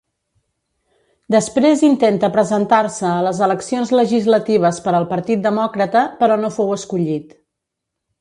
Després intenta presentar-se a les eleccions legislatives per al Partit demòcrata, però no fou escollit.